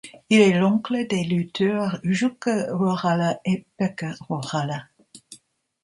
Il est l'oncle des lutteurs Jukka Rauhala et Pekka Rauhala.